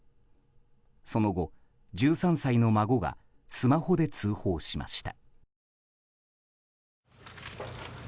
その後、１３歳の孫がスマホで通報しました。